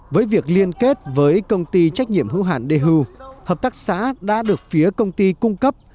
với việc liên kết với công ty trách nhiệm hữu hạn dehu hợp tác xã đã được phía công ty cung cấp